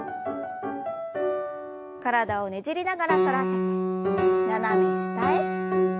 体をねじりながら反らせて斜め下へ。